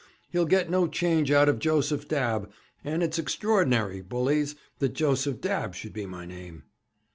He'll get no change out of Joseph Dabb, and it's extraordinary, bullies, that Joseph Dabb should be my name.'